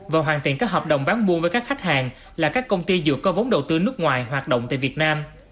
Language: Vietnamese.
và hoàn thiện các hợp đồng bán buôn với các khách hàng là các công ty dược có vốn đầu tư nước ngoài hoạt động tại việt nam